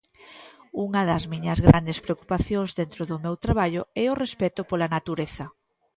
Unha das miñas grandes preocupacións dentro do meu traballo é o respecto pola natureza.